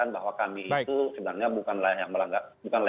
bahwa kami itu sebenarnya bukanlah